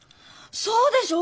そうでしょ？